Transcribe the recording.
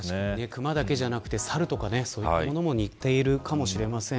クマだけじゃなくてサルとかそういうものも似ているかもしれません。